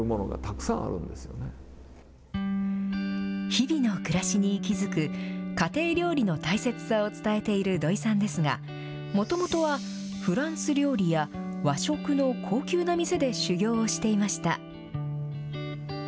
日々の暮らしに息づく家庭料理の大切さを伝えている土井さんですが、もともとはフランス料理や和食の高級な店で修業をしていました。